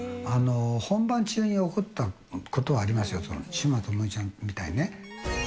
本番中に怒ったことはありますよ、西村知美ちゃんみたいにね。